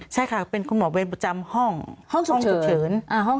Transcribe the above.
ใช่ค่ะเป็นคุณหมอเวรประจำห้องห้องทรงฉุกเฉิน